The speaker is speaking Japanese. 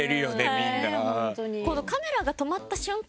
みんな。